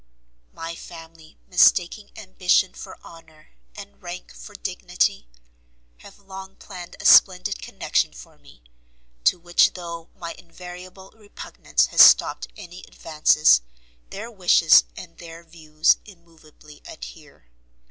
My family, mistaking ambition for honour, and rank for dignity, have long planned a splendid connection for me, to which though my invariable repugnance has stopt any advances, their wishes and their views immovably adhere.